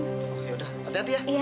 ya udah hati hati ya